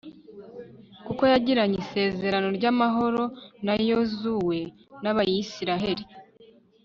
kuko yagiranye isezerano ry'amahoro na yozuwe n'abayisraheli